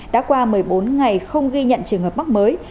đã qua một mươi bốn ngày không ghi nhận trường hợp mắc mới